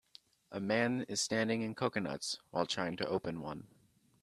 A man is standing in coconuts while trying to open one.